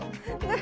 何？